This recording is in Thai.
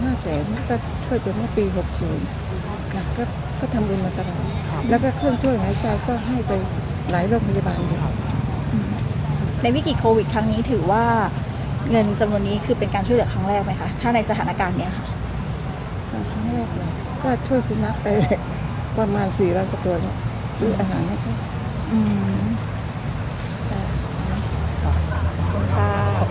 หรือจะเซ็คพักคอยเท่านั้นหรือจะเซ็คพักคอยเท่านั้นหรือจะเซ็คพักคอยเท่านั้นหรือจะเซ็คพักคอยเท่านั้นหรือจะเซ็คพักคอยเท่านั้นหรือจะเซ็คพักคอยเท่านั้นหรือจะเซ็คพักคอยเท่านั้นหรือจะเซ็คพักคอยเท่านั้นหรือจะเซ็คพักคอยเท่านั้นหรือจะเซ็คพักคอยเท่านั้นหรือจะเซ็คพั